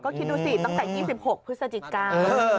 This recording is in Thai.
ก็คิดดูสิตั้งแต่๒๖พฤศจิกา